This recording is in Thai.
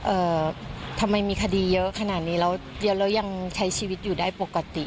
เอ่อทำไมมีคดีเยอะขนาดนี้แล้วเดี๋ยวเรายังใช้ชีวิตอยู่ได้ปกติ